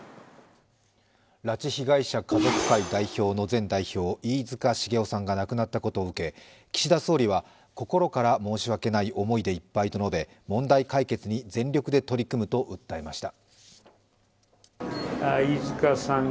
拉致被害者家族会代表の前代表、飯塚繁雄さんが亡くなったことを受け、岸田総理は、心から申し訳ない思いでいっぱいと述べ、問題解決に全力で取り組むと訴えました。